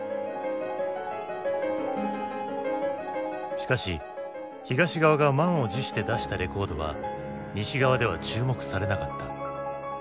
しかし東側が満を持して出したレコードは西側では注目されなかった。